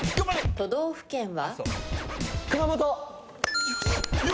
都道府県は？